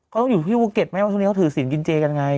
ก็ต้องอยู่ที่ภูเก็ตไหมว่าช่วงนี้เขาถือศิลปกินเจกันไง